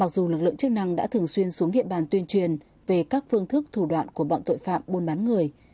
dù lực lượng chức năng đã thường xuyên xuống địa bàn tuyên truyền về các phương thức thủ đoạn của bọn tội phạm buôn bán người